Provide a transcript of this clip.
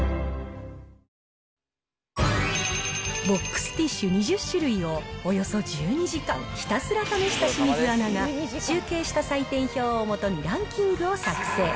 ボックスティッシュ２０種類を、およそ１２時間ひたすら試した清水アナが、集計した採点表を基にランキングを作成。